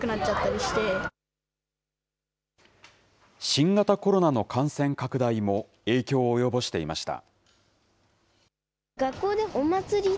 新型コロナの感染拡大も影響を及ぼしていました。